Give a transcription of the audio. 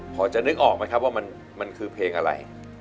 พอจะนึกออกไหมครับว่ามันคือเพลงอะไร